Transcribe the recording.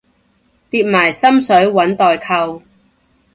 疊埋心水搵代購